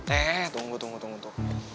iya tunggu tunggu tunggu